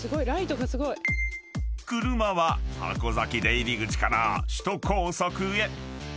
［車は箱崎出入口から首都高速へ］